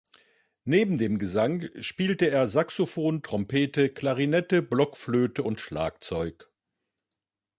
Neben dem Gesang spielte er Saxophon, Trompete, Klarinette, Blockflöte und Schlagzeug.